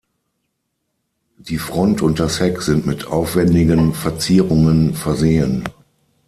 Die Front und das Heck sind mit aufwendigen Verzierungen versehen.